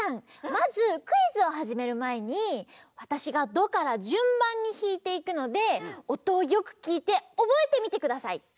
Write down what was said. まずクイズをはじめるまえにわたしがドからじゅんばんにひいていくのでおとをよくきいておぼえてみてください。